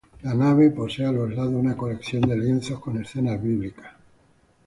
La nave posee a los lados una colección de lienzos con escenas bíblicas.